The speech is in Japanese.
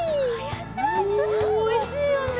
おいしいよね。